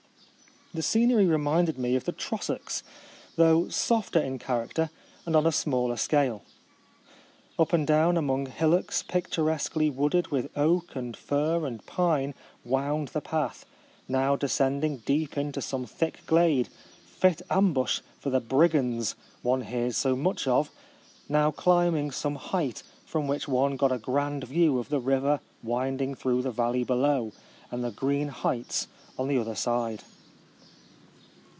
The scenery reminded me of the Trossachs, though softer in char acter and on a smaller scale. Up and down among hillocks pic turesquely wooded with oak and fir and pine wound the path, now descending deep into some thick glade, fit ambush for the brigands one hears so much of, now climb ing some height from which one got a grand view of the river winding through the valley below, and the green heights on the other side.